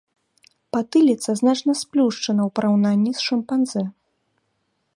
Патыліца значна сплюшчана ў параўнанні з шымпанзэ.